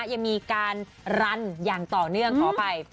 ยังมีการรันอย่างต่อเนื่องขออภัย